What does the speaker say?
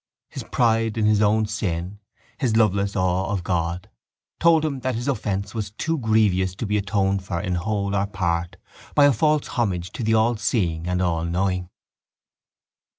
His pride in his own sin, his loveless awe of God, told him that his offence was too grievous to be atoned for in whole or in part by a false homage to the Allseeing and Allknowing.